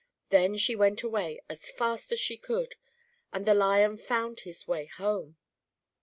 Then she went away as fast as she could, and the Lion found his way home.